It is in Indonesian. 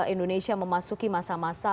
indonesia memasuki masa masa